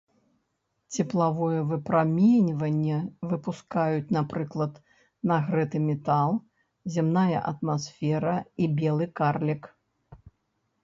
Цеплавое выпраменьванне выпускаюць, напрыклад, нагрэты метал, зямная атмасфера і белы карлік.